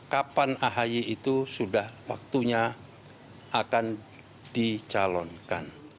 kapan ahy itu sudah waktunya akan dicalonkan